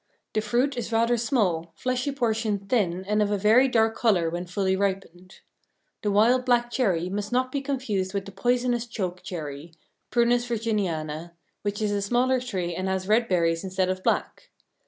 The fruit is rather small, fleshy portion thin and of a very dark color when fully ripened. The wild black cherry must not be confused with the poisonous choke cherry (Prunus virginiana), which is a smaller tree and has red berries instead of black.